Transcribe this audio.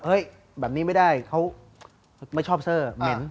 แบบนี้ไม่ได้เขาไม่ชอบเซอร์เหม็น